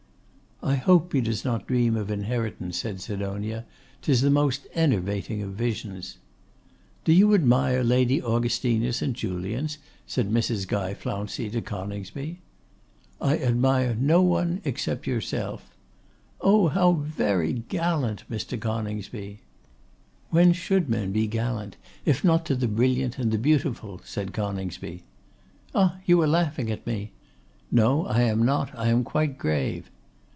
'I hope he does not dream of inheritance,' said Sidonia. ''Tis the most enervating of visions.' 'Do you admire Lady Augustina St. Julians?' said Mrs. Guy Flouncey to Coningsby. 'I admire no one except yourself.' 'Oh! how very gallant, Mr. Coningsby!' 'When should men be gallant, if not to the brilliant and the beautiful!' said Coningsby. 'Ah! you are laughing at me.' 'No, I am not. I am quite grave.